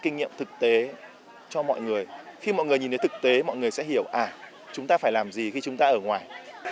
kỹ năng thực tế cho mọi người khi mọi người nhìn thấy thực tế mọi người sẽ hiểu à chúng ta phải làm gì khi chúng ta ở ngoài